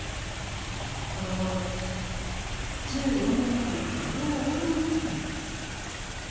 このごろ１４年前のことよう思い出すねん。